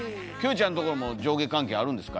ちゃんところも上下関係あるんですか？